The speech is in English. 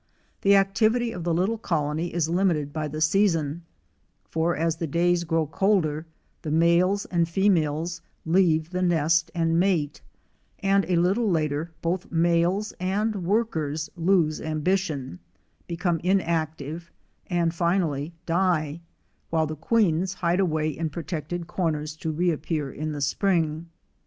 The activity of the little colony is limited by the season, for as the days grow colder the males and females leave the nest and mate, and a little later both males and workers lose ambition, become inactive and finally die, while the queens hide away in protected corners to reappear in the spring.